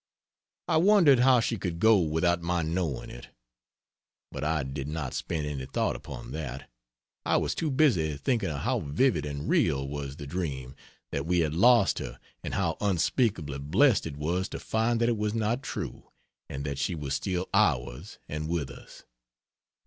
I wondered how she could go without my knowing it, but I did not spend any thought upon that, I was too busy thinking of how vivid and real was the dream that we had lost her and how unspeakably blessed it was to find that it was not true and that she was still ours and with us.